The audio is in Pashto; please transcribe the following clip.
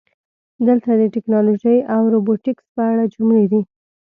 دلته د "ټکنالوژي او روبوټیکس" په اړه جملې دي: